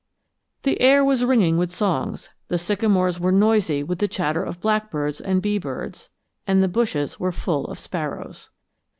The air was ringing with songs, the sycamores were noisy with the chatter of blackbirds and bee birds, and the bushes were full of sparrows.